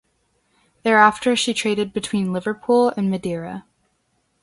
Thereafter she traded between Liverpool and Madeira.